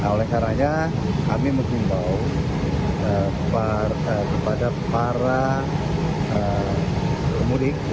oleh karena kami mencintai kepada para mudik